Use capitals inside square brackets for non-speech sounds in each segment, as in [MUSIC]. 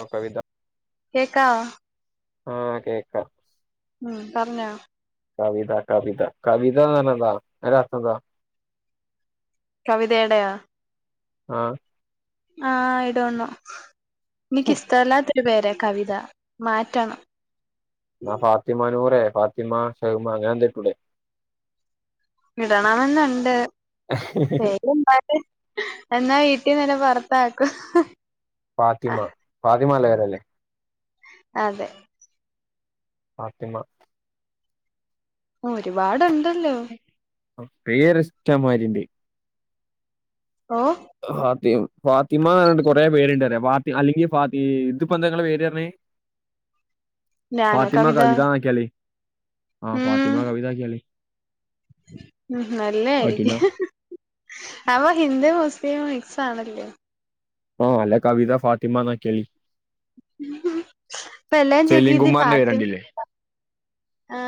ഓ കവിത കേക്കാവോ ആഹ്കേ ക്കാം മം പറഞ്ഞോ കവിത കവിത കവിത എന്ന് പറഞ്ഞാന്താ അതിന്റെ അർത്ഥം എന്താ കവിതേടെയോ ആഹ് ആഹ് ഐ ഡോ നോ എനിക്കിഷ്ടമല്ലാത്തൊരു പേര കവിത മാറ്റണം ആ ഫാത്തിമ നൂറ ഫാത്തിമ ഷഹർബാൻഅങ്ങനെ എന്ത്ട്ടു ടെ ഇടണം മെന്നുണ്ട് [UNINTELLIGIBLE] എന്നാ വീട്ടിൽ നിന്ന് എന്നെ പുറത്താക്കും ഫാത്തിമ ഫാത്തിമ നല്ല പേർല്ലേ അതെ ഫാത്തി മ ഒരുപാടുണ്ടല്ലോ പേര് ഇഷ്ടംമാരി ഉണ്ട് ഓ ഫാത്തി ഫാത്തിമന്ന്ണ്ട് കൊറെ പേരുണ്ട്ന്ന് പറയഫാത്തി അല്ലെങ്കി ഫാ ഇത് പന്തങ്ങളെ പേര്‌ പറഞ്ഞെ ഞാനോ ഫാത്തിമാ കവിത കവി താന്ന് ആക്കിയാല് ആഹ് ഫാത്തിമ കവിത ആക്കിയാല് ഉ നല്ലായിരിക്കും അപ്പൊ ഹിന്ദു മുസ്ലിം മിക്സ് ആണല്ലേ ആഹ് അല്ലെ കവിത ഫാത്തിമ ആക്കിയാല് ഇപ്പെ ല്ലാം ചെക്ക് സലീം ചെയ്ത് കുമാറിന്റെ പേര് ഫാത്തിമ കണ്ടില്ലേ ആ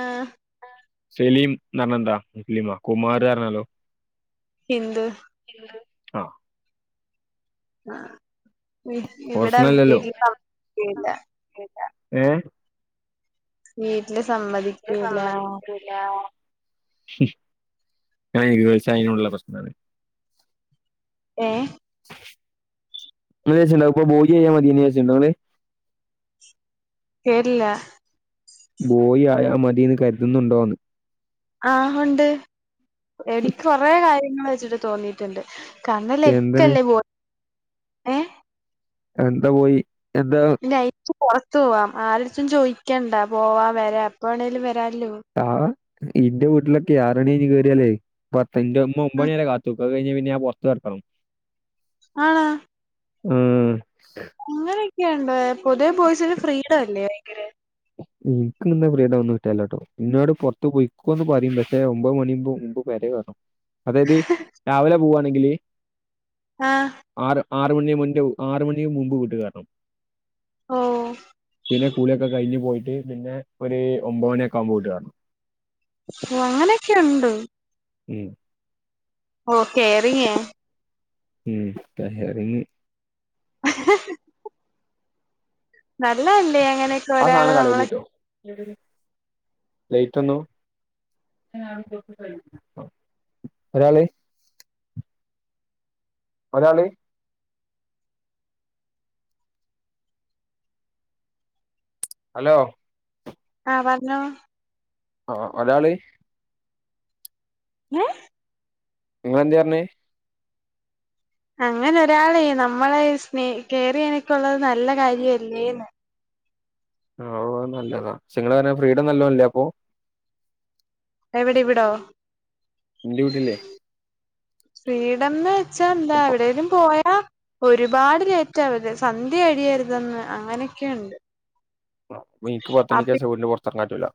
സലീംന്ന് പറഞ്ഞ എന്താ മുസ്ലീ കുമാർ പറഞ്ഞാല്ലോ ഹിന്ദു ആഹ് ആ ഇവിടെ വീട്ടില്താ മസിക്കീല്ല [UNINTELLIGIBLE] ഏ വീട്ടില് സമ്മതി സമ്മദിക്കു ല കഇരുപത് വയസ്സായതിന്റെ പ്രശ്നാണ് ഏ നിങ്ങള് വിചാരിച്ചുണ്ടാവും ഇപ്പോ ബോയിയായ മതിന്ന് വിചാരിച്ചിട്ടുണ്ടോ നിങ്ങള് കേട്ടില്ല ബോയി ആയ മതിന്ന് കരുതുന്നുണ്ടോ എന്ന് ആ ഉണ്ട് എനിക്ക് കൊറെ കാര്യങ്ങൾ വെച്ചിട്ട് തോന്നിട്ടുണ്ട് കാരണം എന്താണ് ലക്കല്ലേ ബോയ് ഏ എന്താ പോയി എന്താ നൈറ്റ് പുറത്തു പോവാം ആരടത്തും ചോദിക്കണ്ടാ പോവാ വരാ എപ്പാണേങ്കിലും വരാല്ലോ ആ ഇന്റെ വീട്ടിലൊക്കെ ആറ് മണികഴിഞ്ഞ് കേറി യാലേ ഇപ്പ എന്റെ ഉമ്മ ഉം ഒമ്പണി വരെ കാത്ത് നികൂ അത് കഴിഞ്ഞ പിന്നെ ഞാൻ പുറത് കിടക്കണം ആണോ ആഹ് അങ്ങനൊക്കെയുണ്ടോ പൊതുവെ ബൊയ്സ്ൻ ഫ്രീഡം അല്ലേ ഭയങ്കര എനിക്ക് നിന്ന ഫ്രീഡം ഒന്നും കിട്ടാലോട്ടോ ഇന്നോട് പുറത്ത് പോയിക്കോന്ന് പറയും പക്ഷെ ഒമ്പത് മണിമ് മുമ്പ് പെരെ വരണം അതായത് രാവിലെ പോവാണെങ്കില് ആഹ് ആറ് ആർ മണിന്റെ മുന്റെ ആർ മണിന്റെ മുമ്പ് വീട്ട് കേറണം ഓ പിന്നെ കൂളിയൊക്കെ കഴിഞ്ഞ് പോയിട്ട് പിന്നെ ഒരു ഒമ്പത് മണിയൊക്കെ ആവുമ്പോ വീട്ടിൽ കേരണം ഓ അങ്ങനെയൊക്കെ ഉണ്ടൊ ഉം ഓ കേറിങെ ഉം കേയറിങ് [UNINTELLIGIBLE] നല്ലതല്ലെ അങ്ങനെ ആ സാധനം കളയല്ലിട്ടൊ ലേറ്റ് ഒന്നും ഒരാളേ മലയാളി ഹലോ ആഹ് പറഞ്ഞോ ആ മലയാളി ങേ ഇങ്ങെളന്തേ പറഞ്ഞേ അങ്ങനെ ഒരാളെ നമ്മളെ സ്നേ കേയറിയാനൊകെ ഉള്ളത് നല്ല കാര്യല്ലേന്ന് ആഹ് നല്ലതാ നിങ്ങൾ പറഞ്ഞ ഫ്രീഡം നല്ലൊലിപ്പൊ എവിടെ ഇവിടോ ഇന്റെ വീട്ടിലെ ഫ്രീഡംന്ന് വെച്ചാ എന്താ എവിടെലും പോയാ ഒരുപാട് ലേറ്റ ആവത് സന്ധ്യ അഴിയരുതെന്ന് അങ്ങനൊക്കെയുണ്ട് എനിക് പത്തുമണിക്ക് ശേഷം വീടിന് പോറത്ത് എറങ്ങാൻ പറ്റുല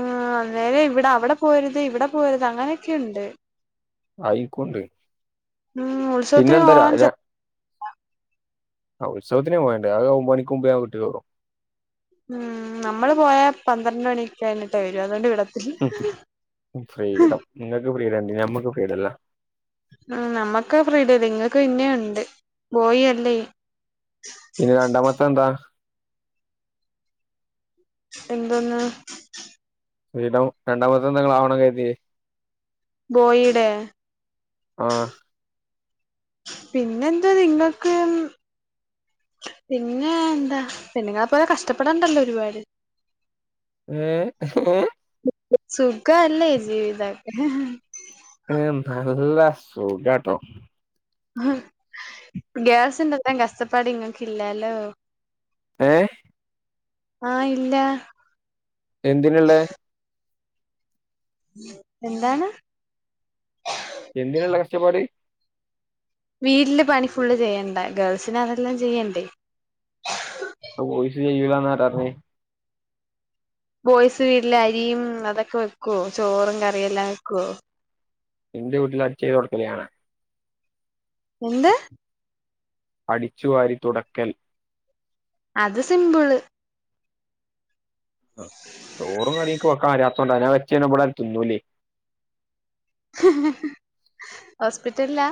ആഹ് അന്നേരം ഇവിടെ അവിടെ പോവരുത് ഇവിടെ പോവരുത് അങ്ങനെയൊക്കെയുണ്ട് അത് എനിക്കുണ്ട് ഉം ഉത്സവത്തിൻ പിന്നെന്താ പോവാൻ ആഹ് ഉത്സവത്തിൻ പോയണ്ട് അത് ഒമ്പത് മണിക് മുമ്പേ ഞാൻ വീട്ടിൽ കേറും ഉം നമ്മള് പോയ പന്ത്രണ്ട് മണിക്ക് കഴിഞ്ഞിട്ടെ വെരു അതുകൊണ്ട് വിടത്തില ഫ്രീഡം നിങ്ങക്ക് ഫ്രീഡം ഉണ്ട് ഞമ്മക്ക് ഫ്രീഡം ഇല്ല ഉം നമ്മക്ക് ഫ്രീടം ഇല്ല നിങ്ങക്ക് പിന്നെയും ഉണ്ട് ബോയി അല്ലെ പിന്നെ രണ്ടാമതെ എന്താ എന്തുന്ന് ഫ്രിടം രണ്ടാമത്തെ എന്താ നിങ്ങൾ ആവണം കരുതിയേ ബോയിടെ ആ പിന്നെന്താ നിങ്ങൾക്ക് പിന്നെ എന്താ പെണ്ണുങ്ങളെ പോലെ കഷ്ടപ്പെടാണ്ടല്ലോ ഒരുപാട് ഏ എ സുഖ അല്ലേ ജീവിതൊക്കെ ഏ നല്ല സുഖാട്ടോ ഗേൾസിന്റെ എല്ലാം കഷ്ടപ്പാട് ഇങ്ങക്ക് ഇല്ലാല്ലോ ഏ ആഹ് ഇല്ല എന്തിനിള്ളേ എന്താണ് എന്തിനിള്ള കഷ്ടപാട് വീട്ടില് പണി ഫുള്ള് ചെയ്യണ്ട ഗേൾസിന് അതെല്ലാം ചെയ്യണ്ടേ വോയ്സ്ചെയ്യൂലാന്നാരാർഞ്ഞെ ബോയ്സ് വീട്ടില് അരിയും അതൊക്കെ വെക്കുവോ ചോറും കറിയെല്ലാം വെക്കുവോ എന്റെ വീട്ടില് അടിച്ചാരി തൊടക്കല് ഞാനാ എന്ത് അടിച്ചുവാരി തുടക്കൽ അത് സിമ്പിള് ചോറും കറിക്കെ വക്കാനറിയാത്തോണ്ട ഞാൻ വെച്ച ഇവിടെ ആരും തിന്നൂലേ ഹോസ്പിറ്റലിലാ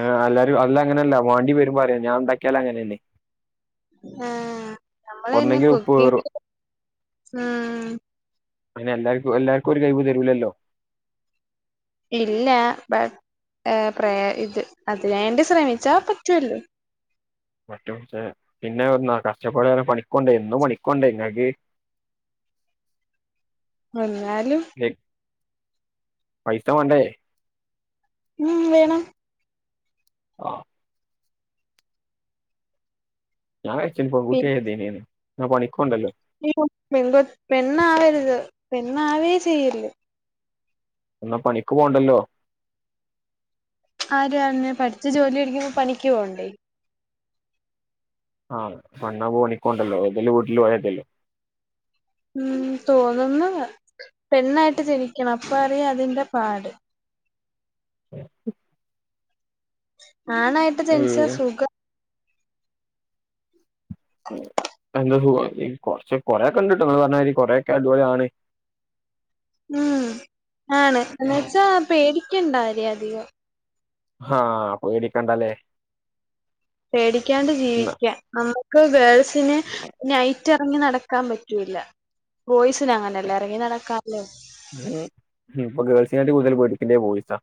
ആഹ് അല്ലാരും അല്ല അങ്ങനല്ല വാണ്ടി വരുമ്പോ അറിയാ ഞാൻണ്ടാക്കിയാല് അങ്ങനെന്നെ ആ നമ്മള് ന്നെ ഒന്നെങ്കിൽ ഉപ്പ് കേറും കുക്കിംഗ് ആഹ് പിന്നെ എല്ലാർക്കും എല്ലാർക്കൊരു കയിവ് തരൂലല്ലോ ഇല്ല ബട്ട് പ്ര ഇത് അതിനേണ്ടി ശ്രമിച്ചാ പറ്റുവല്ലോ മറ്റും പക്ഷേ പിന്നെ കഷ്ടപ്പാട പണിക്കൊണ്ടെ എന്നും പണിക്കൊണ്ടേ ഇങ്ങക്ക് എന്നാലും പൈസ മാണ്ടേ ഉം വേണം ആഹ് ഞാൻച്ച പെൺ പി കുട്ടിയായ മതീന് നാ പണിക്കോണ്ടല്ലോ ഈ കുഞ്ഞു പെൺകോ പെണ്ണാവരുത് പെണ്ണാവേ ചെയ്യല്ല് എന്നാ പണിക്ക് പോണ്ടല്ലോ ആര് പറഞ്ഞു പഠിച്ചു ജോലി വേടിക്കുമ്പ പണിക്ക് പോവണ്ടേ ആ മണ്ണ പോ പണിക്കോണ്ടല്ലോ ഏതെല് വീട്ടില്‌ പോയാ മതിയല്ലോ ഉം തോന്നുന്നതാ പെണ്ണായിട്ട് ജനിക്കണം അപ്പ അറിയ അതിന്റെ പാട് ആണായിട്ട് ജനിച്ച ഏഹ് സുഖം നല്ല സുഖം കുറച്ച് കൊറെക്കെണ്ട്ട്ടോ ഇങ്ങള് പറഞ്ഞ മാതിരി കൊറെക്കെ അത് പോലാണ് ഉം ആണ് എന്നുവച്ചാ പേടിക്കണ്ടാ രി അധികം ആ പേടിക്കണ്ടല്ലേ പേടിക്കാണ്ട് ന്നാ ജീവിക്കാം നമ്മ ക്ക് ഗേൾസിന് നൈറ്റ് എറങ്ങി നടക്കാൻ പറ്റൂല ബോയ്സിന് അങ്ങനെല്ല ഇറങ്ങി നടക്കാല്ലോ ഉം ഉം ഇപ്പ ഗേൾസിനെ കാട്ടിലും കൂടുൽ പേടിക്കണ്ടേത് ബോയ്സാ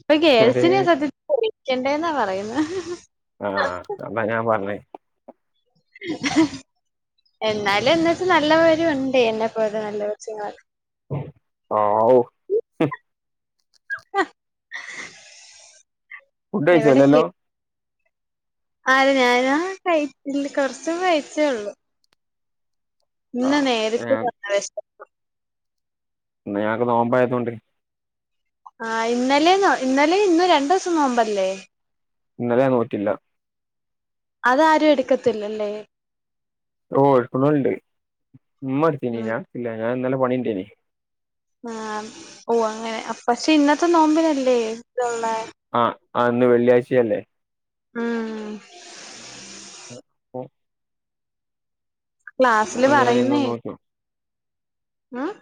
ഇപ്പാ ഗേൾസിനെയാ സത്ത്യത്തിൽ പേടിക്കെണ്ടെന്നാ പറയിന്നെ ആഹ് അതാ ഞാൻ പറഞ്ഞേ എന്നാലും എന്നാച്ച നല്ലവരുണ്ട് എന്നെ പോലത് നല്ല കൊച്ചുങ്ങളൊക്കെ ആവോ ഫുഡ് കയ്ച്ചോ എവിടെ ഇല്ലല്ലോ കി ആര് ഞാനാ കഴിച്ച കുറച്ച് മുന്നെ കഴിച്ചൊള്ളൂ ഇന്ന് ആഹ് നേരിട്ട് ഏഹ് [UNINTELLIGIBLE] ഇന്ന് ഞങ്ങക്ക് നോമ്പായത് കൊണ്ട് ആ ഇന്നലെ ഇന്നലെ ഇന്നും രണ്ടൂസം നോമ്പല്ലേ ഇന്നലെ ഞാ നോറ്റില്ല അതാരും എടുക്കത്തില്ലല്ലേ ഓ ഇട്ക്ക്ണോല്ണ്ട് ഇമ്മ ഉം എടിത്തിനിന ഇല്ല ഞാ ഇന്നലെ പണിണ്ടേനി ആ ഓഹ് അങ്ങനെ പക്ഷെ ഇന്നത്തെ നോമ്പിനല്ലേ ഇതുള്ളെ ആഹ് ആഹ് ഇന്ന് വെള്ളിയാഴ്ച്ച അല്ലേ ഉം [INAUDIBLE] ക്ലാസ്സില് അതോണ്ട് ഞാൻ ഇന്ന് പറയുന്നേ നോറ്റു ആഹ്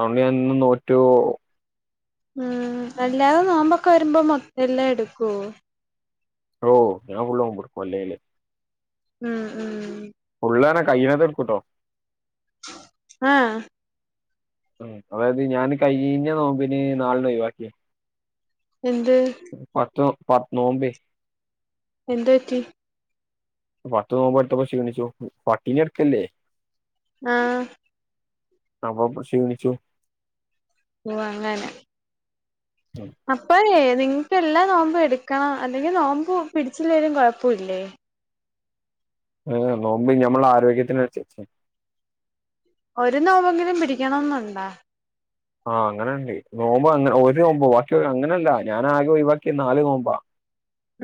അഓണ്ട് ഞാൻ ഇന്ന് നോറ്റു ഉം അല്ലാതെ നോമ്പൊക്കെ വര്മ്പോ മൊ എല്ലാ എടുക്കൊ ഓ ഞാൻ ഫുള്ളും നോമ്പെട്ക്കും അല്ലേലും ഉം ഉം ഫുള്ള് പർഞ്ഞാ കയ്ണത് ഇട്കു ട്ടോ ആഹ് ഉം അതായത് ഞാന് കഴിഞ്ഞ നോമ്പിന് നാൽണ്ണം ഒഴിവാക്കിന് എന്ത് പത്ത് പ നോമ്പേ എന്തുപറ്റി പത്ത് നോമ്പട്തപ്പോ ക്ഷീണിച്ചു പട്ടിണി കെട്ക്കല്ലേ ആഹ് അപ്പൊ പ്പൊ ക്ഷീണിച്ചു ഓ അങ്ങനെ ഉം അപ്പയേ നിങ്ങക്ക് എല്ലാ നോമ്പും എടുക്കണം അല്ലെങ്കി നോമ്പ് പിടിച്ചില്ലെലും കോഴപ്പല്ലേ നോമ്പ് ഞമ്മളെ ആരോഗ്യത്തിന് അൻസരിച്ച ഒരു നോമ്പേങ്കിലും പിടിക്കണന്നുണ്ടോ ആ അങ്ങനെ ഇണ്ട് നോമ്പോ അങ്ങ ഒരു നോമ്പോ ബാക്കി അങ്ങനെല്ല ഞാനാകെ ഒഴിവാക്കിയത് നാല് നോമ്പാ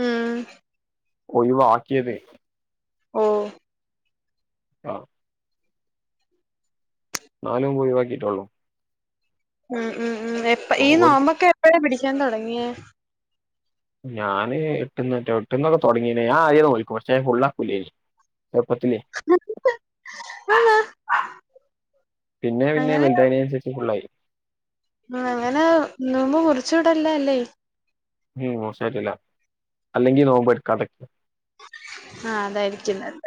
ഉം ഒഴിവാക്കിയത് ഓ ആഹ് നാലു നോമ്പ് ഒഴിവാക്കിയിട്ടൊള്ളു ഉം ഉം ഉം എപ്പ ഈ നോമ്പ് ഒരി- നോമ്പൊക്കെ എപ്പഴാ പിടിക്കാൻ തൊടങ്ങിയെ ഞാന് എട്ട്ന്നറ്റെ എട്ട്ന്നൊക്കെ തൊട്ങ്ങീണ് ഞാ ആദ്യയെ നോൽക്കും പക്ഷെ ഫുള്ളാകുല്ലെനി ചെർപ്പത്തിലേ ആണോ പിന്നെ പിന്നെ അങ്ങനെ വൽതായതിന് അൻസരിച്ച് ഫുള്ളായി ഉം അങ്ങനെ നോമ്പ് മുറിചൂടാല്ലാല്ലൈ ഉം മുർചാം പറ്റൂല അല്ലെങ്കി നോമ്പ് എടുക്കാതൊ ആഹ് അതായിരികും നല്ല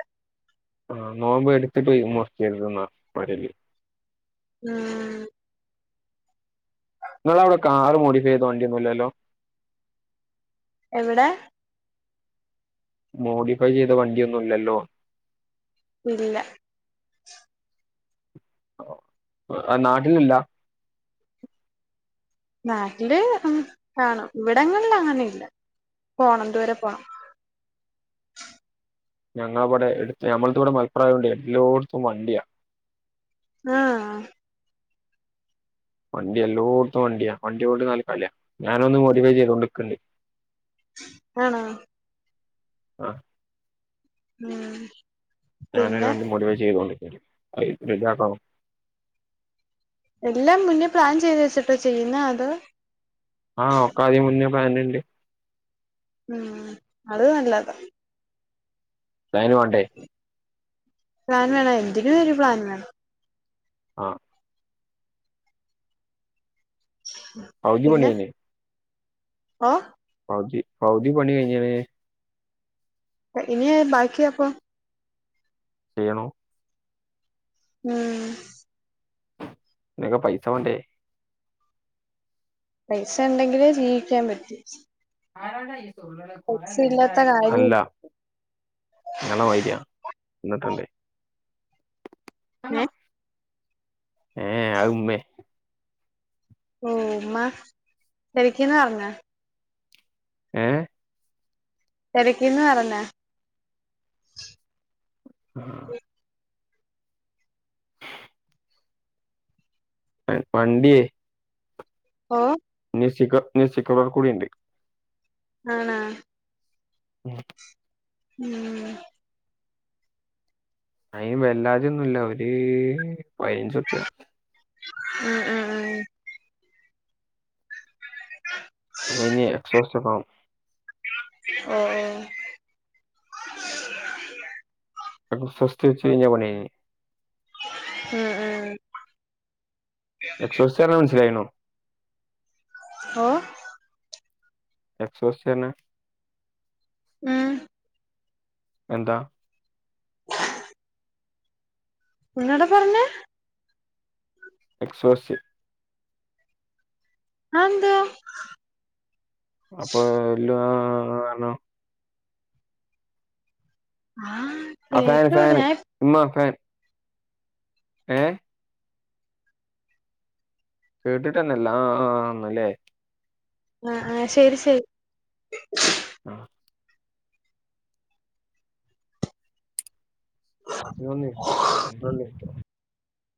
ആ നോമ്പ് എടുത്തിട്ട് മുറിക്കരുത് ന്നാ പറയല് ആഹ് ഇങ്ങളവ്ടെ കാറ് മോഡിഫൈയ്ത വണ്ടിയൊന്നു ഇല്ലല്ലോ എവിടെ മോഡിഫൈ ചെയ്ത വണ്ടിയൊന്നു ഇല്ലല്ലോ ഇല്ല നാട്ടിലില്ല നാട്ടില് ഉം കാണും ഇവിടങ്ങളില് അങ്ങനെ ഇല്ല പോണം ദൂരെ പോണം ഞങ്ങളവടെ എട്ത്ത് നമ്മൾത് ഇവടെ മൽപ്പുറയോണ്ട് എല്ലോട്ത്തും വണ്ടിയാ ആഹ് വണ്ടി എല്ലോട്ത്തും വണ്ടിയാ വണ്ടിയൊണ്ട് നാല് കളിയാ ഞാനൊന്ന് മോഡിഫൈ ചെയ്തോണ്ട്ക്ക്ണ്ട് ആണോ ആ ഉം ഞാനൊരു പിന്നെ വണ്ടി മോടിഫൈ ചെയ്തൊണ്ട് ക്ക്‌ണ്ട് [UNINTELLIGIBLE] എല്ലാം മുന്നേ പ്ലാൻ ചെയ്ത് വെച്ചിട്ടോ ചെയ്യുന്നെ അതോ ആ ഒക്കെ ആദ്യേ മുന്നേ പ്ലാന്ണ്ട് ഉം അത് നല്ലത പ്ലാന് വാണ്ടേ പ്ലാൻ വേണം എന്തിനും ഒരു പ്ലാൻ വേണം. ആഹ് പൗതി പണി പിന്നെ കഴിഞ്ഞ് ഓ പൗതി പൗതി പണി കഴിഞ്ഞേനെ ഇനി ബാക്കിയ അപ്പൊ ചെയ്യണോ ഉം തിനക്കെ പൈസ വേണ്ടേ പൈസ ണ്ടെങ്കിലേ ജീവിക്കാൻ പറ്റി ഇല്ലാത്ത കാര്യമില്ല ഹല്ലാ ഇങ്ങളെ മാര്യ എന്നിട്ടുണ്ടേ ഏ ഏ ഏ അഅ് ഉമ്മേ ഓ ഉമ്മ തിരക്കിന്ന് പറഞ്ഞ ഏഹ് തിരക്കിന്ന് പറഞ്ഞ ആഹ് വണ്ടിയേ ഓ നി സിറ്റിക്ക ന് സ്‌റ്റിക്ക വർ കൂടിണ്ട് ആണാ മ് അയിന് വെല്ലാതൊന്നുംല്ല ഒര് പയിനഞ്ച് റുപ്യ ഉം ആ ആഹ് [INAUDIBLE] കഴിഞ്ഞ എക്സോസ ഫാം [INAUDIBLE] ആഹ് ആഹ് എക്സോ സ് വച്ച് കഴിഞ്ഞാപണി കഴിഞ്ഞ് ആഹ് എക്സോസിയറ്ഞ്ഞാ മനസിലായിണോ ഓ എക്സോസിയറ്ഞ്ഞാ ങാ എന്താ ഒന്നോടെ പറഞ്ഞേ എക്സോസി അ എന്തുവാ അപ്പൊ എല്ലാം ആഹ് ആഹ് പറ്ഞ്ഞേ ആഹ് ആ ഫാൻ ഫാൻ ഉമ്മാ ഫാൻ ഏഹ് കേട്ടിട്ട്ന്നെ ഇല്ല ആ ആന്ന്ല്ലേ ആഹ് ആഹ് ശരി ശരി ആഹ് അതിനൊന്ന് [INAUDIBLE] ഒന്നല്ല [INAUDIBLE]